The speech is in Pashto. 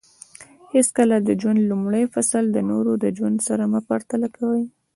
حیڅکله د خپل ژوند لومړی فصل د نورو د ژوند سره مه پرتله کوه